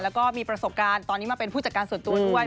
แล้วก็มีประสบการณ์ตอนนี้มาเป็นผู้จัดการส่วนตัวด้วย